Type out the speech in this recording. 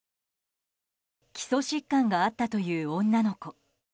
基礎疾患があったという女の子。